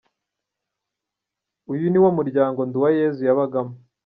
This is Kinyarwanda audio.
Uyu ni wo muryango Nduwayezu yabagamo.